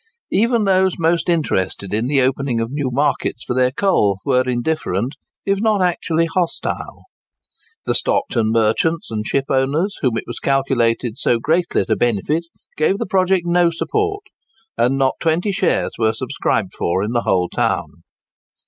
Even those most interested in the opening of new markets for their coal, were indifferent, if not actually hostile. The Stockton merchants and shipowners, whom it was calculated so greatly to benefit, gave the project no support; and not twenty shares were subscribed for in the whole town.